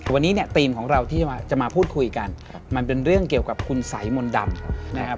วันนี้เนี่ยทีมของเราที่จะมาพูดคุยกันมันเป็นเรื่องเกี่ยวกับคุณสัยมนต์ดำนะครับ